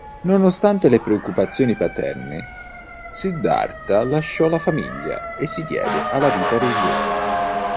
Nonostante le precauzioni paterne, Siddharta lasciò la famiglia e si diede alla vita religiosa.